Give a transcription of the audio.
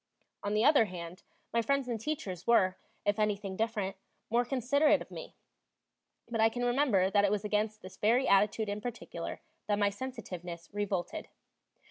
On the other hand, my friends and teachers were, if anything different, more considerate of me; but I can remember that it was against this very attitude in particular that my sensitiveness revolted.